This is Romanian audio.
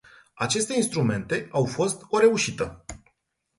Aceste instrumente au fost o reușită.